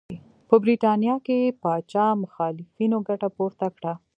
په برېټانیا کې پاچا مخالفینو ګټه پورته کړه.